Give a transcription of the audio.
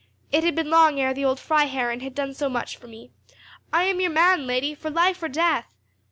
It had been long ere the old Freiherrinn had done so much for me! I am your man, lady, for life or death!"